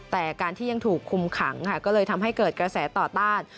แต่การที่ยังถูกคุมขังค่ะก็เลยทำให้เกิดกระแสต่อต้าน